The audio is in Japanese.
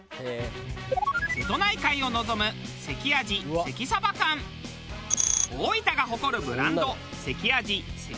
瀬戸内海を望む大分が誇るブランド関あじ関